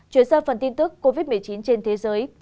chuyển sang phần tin tức covid một mươi chín trên thế giới